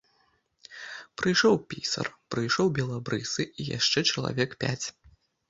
Прыйшоў пісар, прыйшоў белабрысы, яшчэ чалавек пяць.